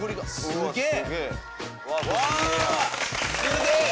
すげえ！